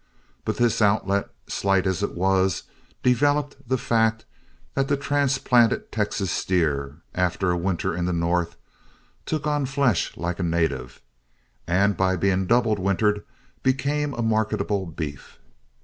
But this outlet, slight as it was, developed the fact that the transplanted Texas steer, after a winter in the north, took on flesh like a native, and by being double wintered became a marketable beef.